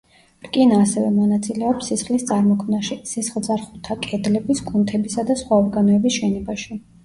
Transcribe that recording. რკინა ასევე მონაწილეობს სისხლის წარმოქმნაში, სისხლძარღვთა კედლების, კუნთებისა და სხვა ორგანოების შენებაში.